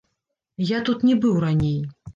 Я тут не быў раней.